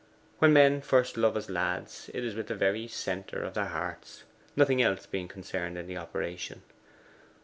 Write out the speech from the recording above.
When men first love as lads, it is with the very centre of their hearts, nothing else being concerned in the operation.